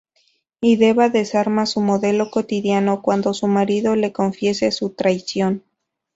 Y Deva desarma su modelo cotidiano cuando su marido le confiesa su traición.